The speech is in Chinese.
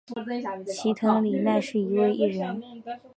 齐藤里奈是一位艺人。